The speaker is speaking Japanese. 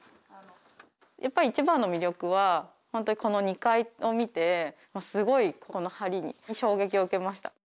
やっぱり一番の魅力は本当にこの２階を見てすごいこの梁に衝撃を受けました。